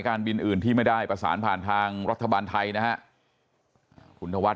การบินอื่นที่ไม่ได้ประสานผ่านทางรัฐบาลไทยนะฮะคุณธวัฒ